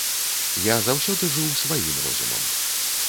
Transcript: Я заўсёды жыў сваім розумам.